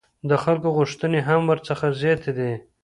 د خلکو غوښتنې هم ورڅخه زیاتې دي.